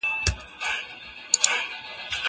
زه ځواب نه ليکم؟!؟!